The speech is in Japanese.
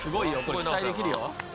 これ期待できるよ。